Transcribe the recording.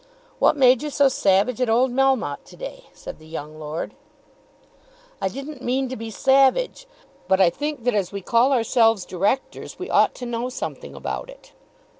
"What made you so savage at old Melmotte to day?" said the young lord. "I didn't mean to be savage, but I think that as we call ourselves Directors we ought to know something about it."